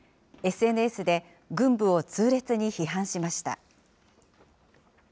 ＳＮＳで軍部を痛烈に批判しました。